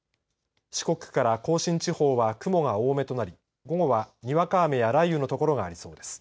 四国から甲信地方は雲が多めとなり午後は、にわか雨や雷雨の所がありそうです。